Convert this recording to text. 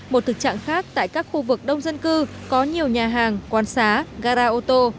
một thực trạng khác tại các khu vực đông dân cư có nhiều nhà hàng quán xá gara ô tô